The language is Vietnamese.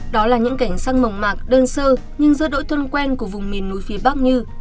đó là những cảnh sang mộng mạc đơn sơ nhưng giữa đội thân quen của vùng miền núi phía bắc như